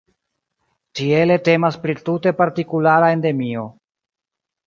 Tiele temas pri tute partikulara endemio.